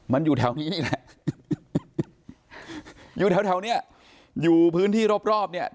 มันอยู่แถวนี้แหละอยู่แถวแถวเนี่ยอยู่พื้นที่รอบรอบเนี่ย